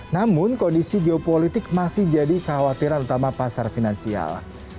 namun kondisi geopolitik masih jadi kekhawatiran utama pasar finansial